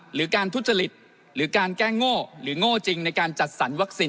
หรือการทุจริตหรือการแก้โง่หรือโง่จริงในการจัดสรรวัคซีน